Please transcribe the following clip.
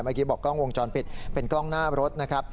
เมื่อกี้บอกกล้องวงจรปิดเป็นกล้องหน้ารถนะครับ